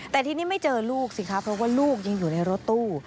แต่ทีนี้ไม่เจอลูกสิคะเพราะว่าลูกยังอยู่ในรถตู้